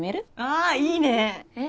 あいいね。え？